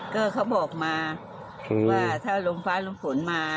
ก็เขาบอกมาว่าถ้าลมฟ้าลมฝนมา